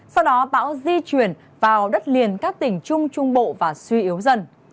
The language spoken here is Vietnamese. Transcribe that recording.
sau đó bão di chuyển vào đất liền các tỉnh trung trung bộ và suy yếu dần